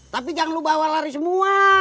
tapi jangan lo bawa lari semua